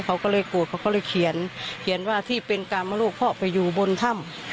เขาก็เลยโกรธเขาก็เลยเขียนเขียนว่าที่เป็นกรรมลูกพ่อไปอยู่บนถ้ำ